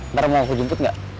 ntar mau aku jemput gak